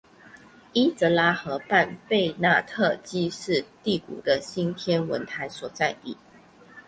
伊泽拉河畔贝纳特基是第谷的新天文台所在地。